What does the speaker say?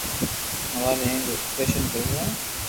ھواري اي رو آپريݾن ڪراوہ ھي